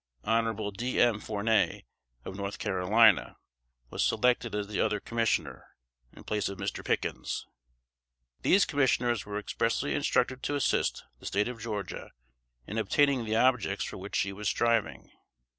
Hon. D. M. Forney, of North Carolina, was selected as the other commissioner, in place of Mr. Pickens. These commissioners were expressly instructed to assist the State of Georgia in obtaining the objects for which she was striving.